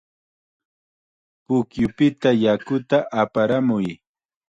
Pukyupita yakuta aparamuy.